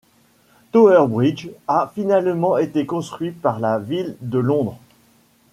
Tower Bridge a finalement été construit par la Ville de Londres.